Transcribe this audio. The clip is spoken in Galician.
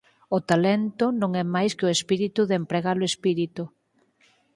O talento non é máis que o espírito de emprega-lo espírito.